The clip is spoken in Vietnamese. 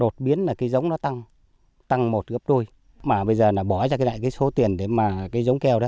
tăng một gấp đôi mà bây giờ bỏ ra lại số tiền để mà cây giống keo đó